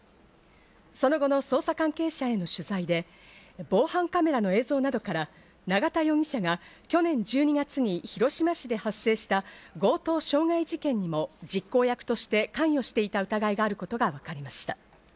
その後の捜査関係者への取材で、防犯カメラの映像などから永田容疑者が去年１２月に広島市で発生した強盗傷害事件にも実行役として関与した疑いがあることがわかりました。